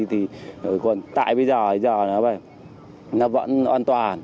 thì còn tại bây giờ bây giờ nó vẫn an toàn